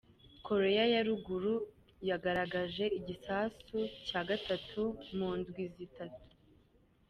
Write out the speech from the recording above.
Korea ya Ruguru yagerageje igisasu ca gatatu mu ndwi zitatu.